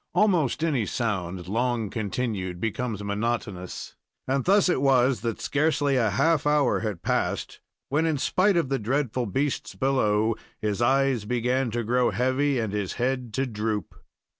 Almost any sound long continued becomes monotonous, and thus it was that scarcely a half hour had passed when, in spite of the dreadful beasts below, his eyes began to grow heavy and his head to droop.